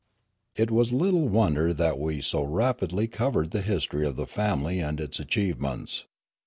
It was little wonder that we so rapidly covered the history of the family and its achievements.